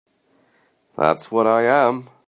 That's what I am.